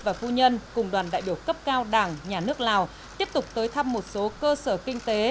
và phu nhân cùng đoàn đại biểu cấp cao đảng nhà nước lào tiếp tục tới thăm một số cơ sở kinh tế